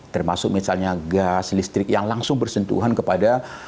termasuk misalnya gas listrik yang langsung bersentuhan kepada